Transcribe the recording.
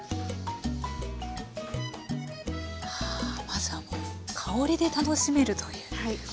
まずはもう香りで楽しめるという。